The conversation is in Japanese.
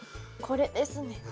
これですね。